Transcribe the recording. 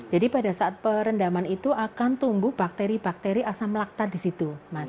jadi pada saat perendaman itu akan tumbuh bakteri bakteri asam laktat disitu